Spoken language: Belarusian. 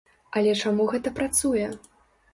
Але чаму гэта працуе?